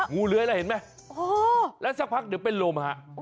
เลื้อยแล้วเห็นไหมแล้วสักพักเดี๋ยวเป็นลมฮะ